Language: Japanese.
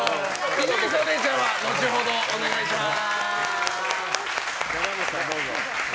伊集院さん、れいちゃんは後ほどお願いします。